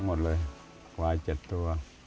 หมดเลยขวายเจ็ดตัว